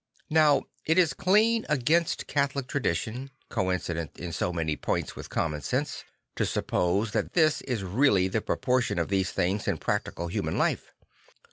Now it is clean against Catholic tradition, co incident in so many points with common sense, to suppose that this is really the proportion of these things in practical human life.